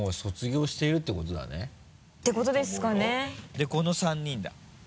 でこの３人だ。